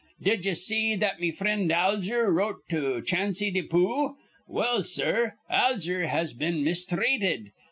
"Did ye see what me frind Alger wrote to Chansy Depoo? Well, sir, Alger has been misthreated.